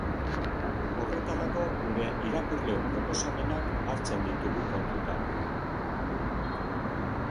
Horretarako, gure irakurleon proposamenak hartzen ditugu kontutan.